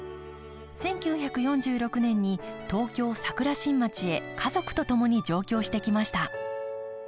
１９４６年に東京・桜新町へ家族とともに上京してきました。